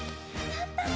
やったね。